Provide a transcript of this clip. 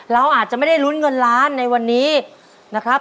เราอาจจะไม่ได้ลุ้นเงินล้านในวันนี้นะครับ